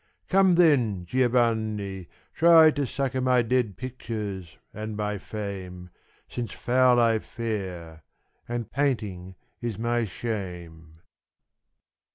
Come then, Giovanni, try To succour my dead pictures and my fame; Since foul I fare and painting is my shame.